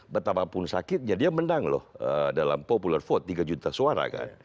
betapapun sakit ya dia menang loh dalam popular vote tiga juta suara kan